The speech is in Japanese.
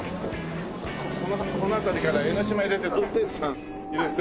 この辺りから江の島入れて運転士さん入れて。